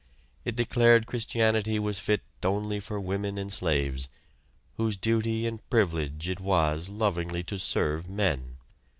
It declared Christianity was fit only for women and slaves, whose duty and privilege it was lovingly to serve men.